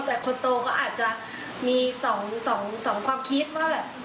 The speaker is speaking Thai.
แต่คนโตก็อาจจะมี๒ความคิดว่าแบบ